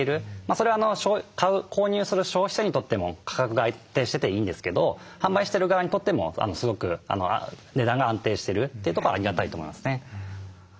それは買う購入する消費者にとっても価格が安定してていいんですけど販売してる側にとってもすごく値段が安定してるってとこはありがたいと思いますね。